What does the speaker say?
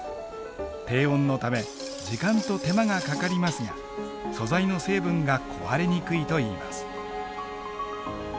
低温のため時間と手間がかかりますが素材の成分が壊れにくいといいます。